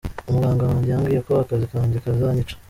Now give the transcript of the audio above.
Umuganga wanjye yambwiye ko akazi kanjye kazanyica.